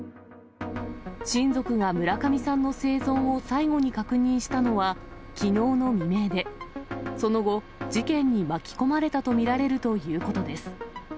親族が村上さんの生存を最後に確認したのは、きのうの未明で、その後、事件に巻き込まれたと見られるということです。